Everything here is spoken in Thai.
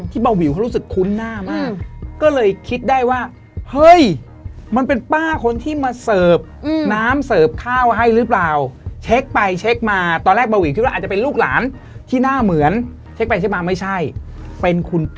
ที่เบาหวิวเขารู้สึกคุ้นหน้ามาก